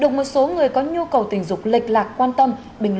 đồng một số người có nhu cầu tình dục lệch lạc quan tâm bình luận và liên hệ